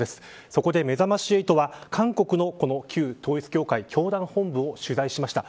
そこで、めざまし８は韓国の、この旧統一教会教団本部を取材しました。